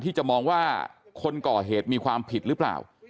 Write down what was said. ที่จะมองว่าคนก่อเหตุมีความผิดหรือเปล่า